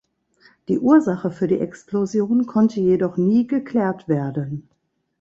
Die Ursache für die Explosion konnte jedoch nie geklärt werden.